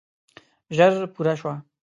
ژر پوره شوه.